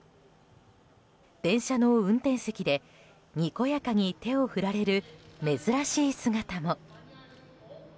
電車の運転席で、にこやかに手を振られる珍しい姿も。